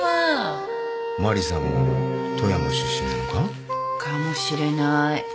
マリさんも富山出身なのか？かもしれない。